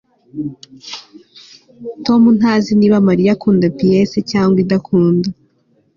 Tom ntazi niba Mariya akunda piese cyangwa idakunda